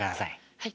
はい。